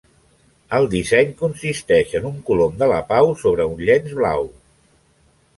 El disseny consisteix en un colom de la pau sobre un llenç blau.